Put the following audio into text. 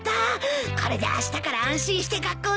これであしたから安心して学校に行けるよ。